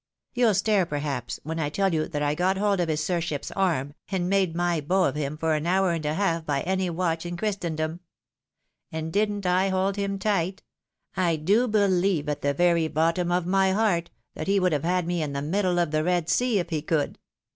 You'll stare, perhaps, when I tell you that I got hold of his sir ship's arm, and made my beau of him for an hour and a haK by any watch in Christendom. And didn't I hold him tight ? I do beheve, at the very bottom of my heart, that he would have had me in the middle of the Red Sea, if he could."